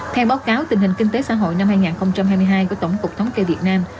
theo báo cáo tình hình kinh tế xã hội năm hai nghìn hai mươi hai của tổng cục thống kê việt nam